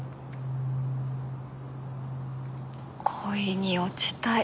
恋に落ちたい。